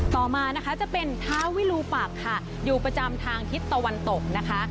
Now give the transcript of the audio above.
ต่อมานะคะจะเป็นท้าวิลูปักค่ะอยู่ประจำทางทิศตะวันตกนะคะ